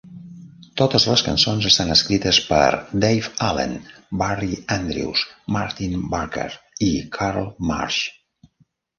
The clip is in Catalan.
Totes les cançons estan escrites per Dave Allen, Barry Andrews, Martyn Barker i Carl Marsh.